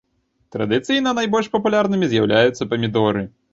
Традыцыйна найбольш папулярнымі з'яўляюцца памідоры.